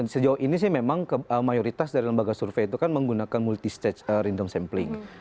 sejauh ini sih memang mayoritas dari lembaga survei itu kan menggunakan multistage rindom sampling